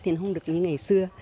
thì không được như ngày xưa